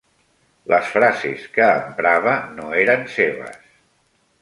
Les frases que emprava no eren seves.